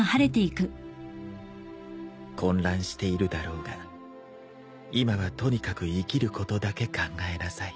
混乱しているだろうが今はとにかく生きることだけ考えなさい。